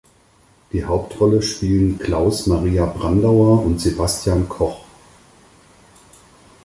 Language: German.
Die Hauptrollen spielen Klaus Maria Brandauer und Sebastian Koch.